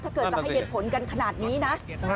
ถ้าเกิดจะให้เหตุผลกันขนาดนี้นะ